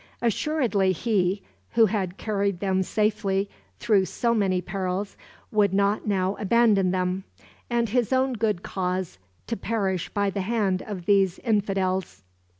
"Assuredly He, who had carried them safely through so many perils, would not now abandon them, and His own good cause, to perish by the hand of these infidels."